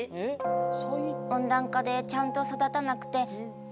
温暖化でちゃんと育たなくて。